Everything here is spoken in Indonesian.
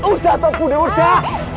udah tau bune udah